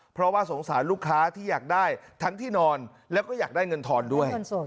เพราะว่าสงสารลูกค้าที่อยากได้ทั้งที่นอนแล้วก็อยากได้เงินทอนด้วย